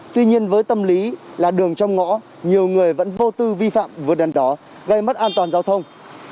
tuy nhiên với tâm lý là đường trong ngõ nhiều người vẫn vô tư vi phạm vượt đèn đỏ gây mất an toàn giao thông